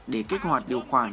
để kích hoạt điều khoản